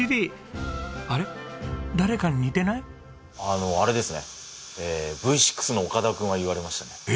あのあれですねＶ６の岡田君は言われましたね。